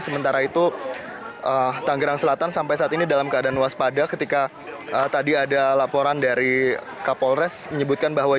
sementara itu tanggerang selatan sampai saat ini dalam keadaan waspada ketika tadi ada laporan dari kapolres menyebutkan bahwa